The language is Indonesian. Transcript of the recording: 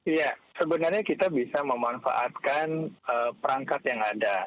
iya sebenarnya kita bisa memanfaatkan perangkat yang ada